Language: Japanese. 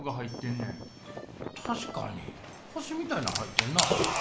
確かに星みたいなん入ってんな。